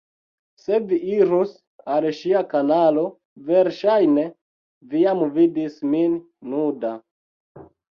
Se vi irus al ŝia kanalo verŝajne vi jam vidis min nuda